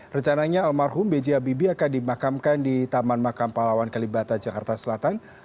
rencananya almarhum b j habibie akan dimakamkan di taman makam pahlawan kalibata jakarta selatan